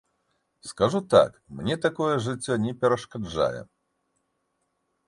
Скажу так, мне такое жыццё не перашкаджае.